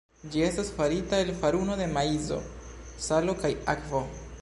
Ĝi estas farita el faruno de maizo, salo kaj akvo.